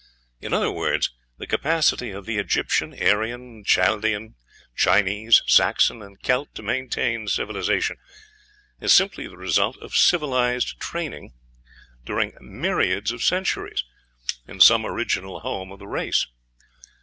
In other words, the capacity of the Egyptian, Aryan, Chaldean, Chinese, Saxon, and Celt to maintain civilization is simply the result of civilized training during "myriads of centuries" in some original home of the race.